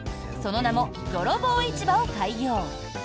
その名も泥棒市場を開業。